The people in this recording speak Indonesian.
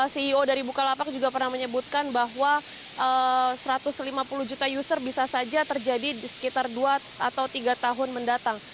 ceo dari bukalapak juga pernah menyebutkan bahwa satu ratus lima puluh juta user bisa saja terjadi sekitar dua atau tiga tahun mendatang